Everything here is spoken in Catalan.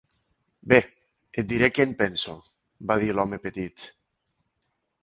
"Bé, et diré què en penso", va dir l'home petit.